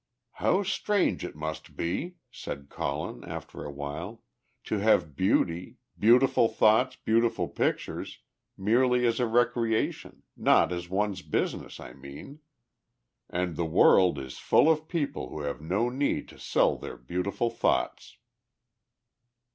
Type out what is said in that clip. "How strange it must be," said Colin, after a while, "to have beauty beautiful thoughts, beautiful pictures merely as a recreation; not as one's business, I mean. And the world is full of people who have no need to sell their beautiful thoughts!"